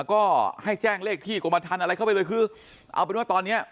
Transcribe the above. ก็ให้แจ้งเลขที่กรมทันอะไรเข้าไปเลยคือเอาเป็นว่าตอนเนี้ย